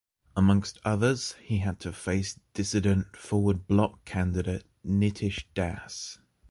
Amongst others, he had to face dissident Forward Bloc candidate Nitish Das.